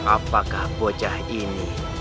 apakah bocah ini